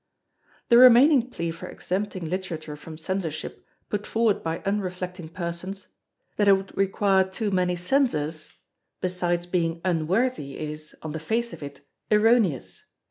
The remaining plea for exempting Literature from Censorship, put forward by unreflecting persons: That it would require too many Censors—besides being unworthy, is, on the face of it, erroneous.